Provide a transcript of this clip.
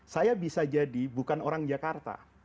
saya bisa jadi bukan orang jakarta